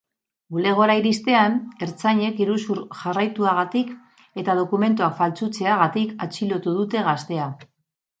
Bulegora iristean, ertzainek iruzur jarraituagatik eta dokumentuak faltsutzeagatik atxilotu dute gaztea.